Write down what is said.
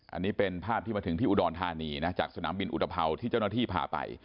อันนี้เป็นภาพที่มาถึงที่อุดรธานีนะจากสนามบินอุตภาวที่เจ้าหน้าที่พาไป